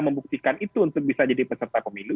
membuktikan itu untuk bisa jadi peserta pemilu